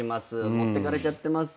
持ってかれちゃってます